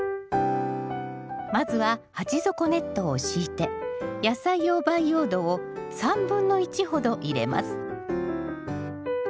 まずは鉢底ネットを敷いて野菜用培養土を３分の１ほど入れます。